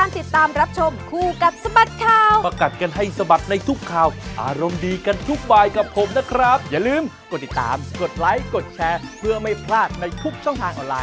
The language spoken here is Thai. ที่หน่อยน้องนางเห็นใจพี่บ้าง